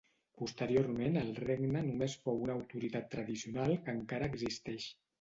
Posteriorment el regne només fou una autoritat tradicional que encara existeix.